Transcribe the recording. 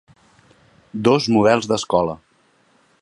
Dos models d’escola.